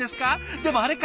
でもあれか。